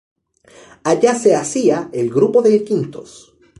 Allá se hacía el grupo del quintos.